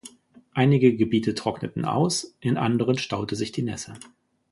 Einige Gebiete trockneten aus, in anderen staute sich die Nässe.